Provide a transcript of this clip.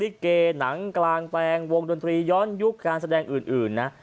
ลิเกหนังกลางแปลงวงดนตรีย้อนยุคการแสดงอื่นนะ